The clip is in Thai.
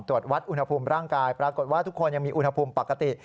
ตรวจวัดอุณหภูมิร่างกายปรากฏว่าทุกคนยังมีอุณหภูมิปกติ